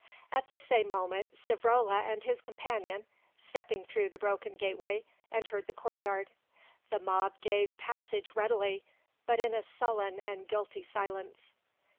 At the same moment Savrola and his companion, stepping through the broken gateway, entered the courtyard. The mob gave passage readily, but in a sullen and guilty silence.